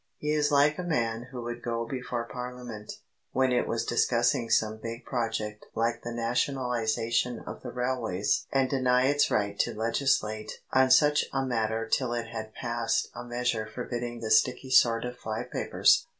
He is like a man who would go before Parliament, when it was discussing some big project like the nationalisation of the railways and deny its right to legislate on such a matter till it had passed a measure forbidding the sticky sort of fly papers.